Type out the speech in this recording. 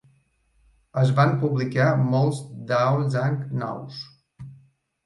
Es van publicar molts Daozang nous.